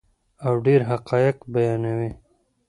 او ډیر حقایق بیانوي.